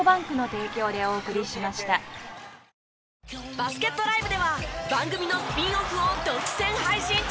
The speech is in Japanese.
バスケットＬＩＶＥでは番組のスピンオフを独占配信中！